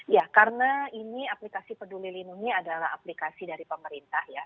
ya karena ini aplikasi peduli lindungi adalah aplikasi dari pemerintah ya